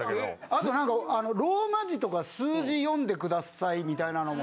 あとなんかローマ字とか数字読んでくださいみたいなのも。